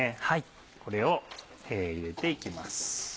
これを入れて行きます。